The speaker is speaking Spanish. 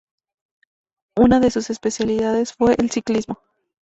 Una de sus especialidades fue el ciclismo.